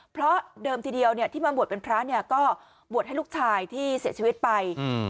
เพราะเดิมทีเดียวที่มาบวชเป็นพระเนี่ยก็บวชให้ลูกชายที่เสียชีวิตไป